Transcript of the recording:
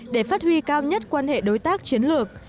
để phát huy cao nhất quan hệ đối tác chiến lược